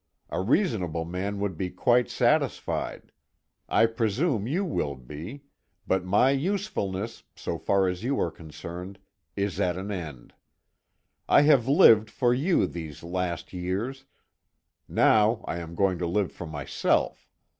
A reasonable man would be quite satisfied; I presume you will be; but my usefulness, so far as you are concerned, is at an end. I have lived for you these last years now I am going to live for myself.